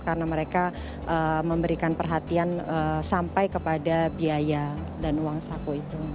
karena mereka memberikan perhatian sampai kepada biaya dan uang saku itu